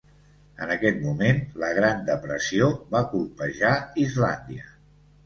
En aquest moment, la Gran Depressió va colpejar Islàndia.